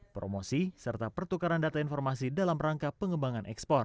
promosi serta pertukaran data informasi dalam rangka pengembangan ekspor